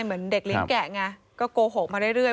เหมือนเด็กเลี้ยงแกะไงก็โกหกมาเรื่อย